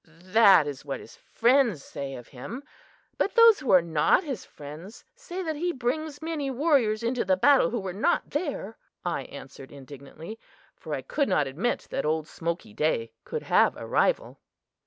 "That is what his friends say of him; but those who are not his friends say that he brings many warriors into the battle who were not there," I answered indignantly, for I could not admit that old Smoky Day could have a rival.